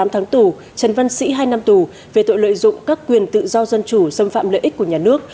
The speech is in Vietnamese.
một mươi tám tháng tù trần văn sĩ hai năm tù về tội lợi dụng các quyền tự do dân chủ xâm phạm lợi ích của nhà nước